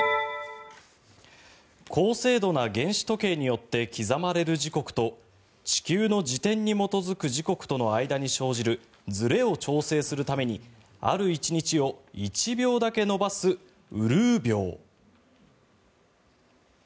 高精度な原子時計によって刻まれる時刻と地球の自転に基づく時刻との間に生じるずれを調整するためにある１日を１秒だけ延ばすうるう秒。